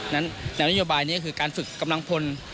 แนวนโยบายนี้ก็คือการฝึกกำลังพล